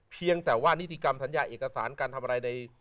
เพียงแต่ว่านิติกรรมสัญญาเอกสารการทำอะไรใด